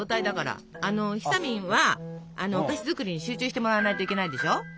ひさみんはお菓子作りに集中してもらわないといけないでしょ？